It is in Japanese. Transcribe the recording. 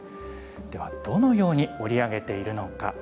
では、どのように織り上げているのか。